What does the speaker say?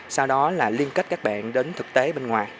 sau đó là liên kết các bạn đến thực tế bên ngoài